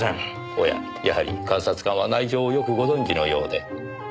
おややはり監察官は内情をよくご存じのようで。